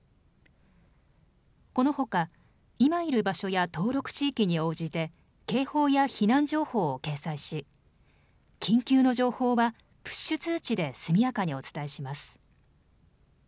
このほか今いる場所や登録地域に応じて警報や避難情報を掲載し緊急の情報はプッシュ通知で速やかにお伝えします。